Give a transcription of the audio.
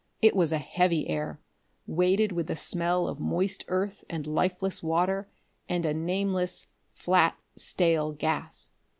It was a heavy air, weighted with the smell of moist earth and lifeless water and a nameless, flat, stale gas.